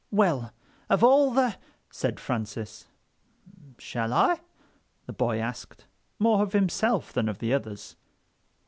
"Well, of all the...." said Francis. "Shall I?" the boy asked, more of himself than of the others.